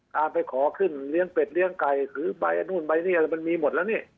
การไปขอขึ้นเลี้ยงเป็ดเลี้ยงไก่หรือใบนู่นใบนี่อะไรมันมีหมดแล้วนี่